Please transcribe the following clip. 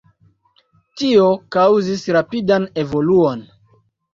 Tio kaŭzis rapidan evoluon.